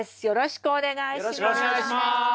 よろしくお願いします。